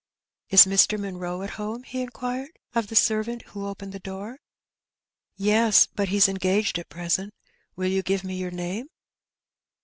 '' Is Mr. Munroe at home ?'^ he inquired of the servant who opened the door. '^Yes; but he's engaged at present. Will you give me your name